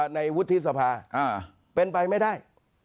ในวุฒิสภาเป็นไปไม่ได้